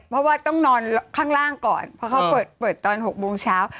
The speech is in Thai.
เพราะว่าต้องนอนข้างล่างก่อนเพราะเขาเปิดตอน๖โมงเช้า